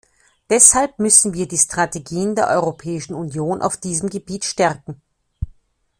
Deshalb müssen wir die Strategien der Europäischen Union auf diesem Gebiet stärken.